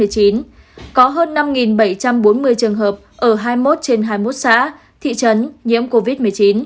có hơn năm bảy trăm bốn mươi trường hợp ở hai mươi một trên hai mươi một xã thị trấn nhiễm covid một mươi chín